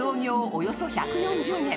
およそ１４０年。